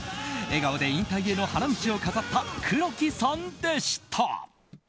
笑顔で引退への花道を飾った黒木さんでした。